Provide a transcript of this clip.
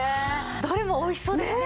どれもおいしそうですね。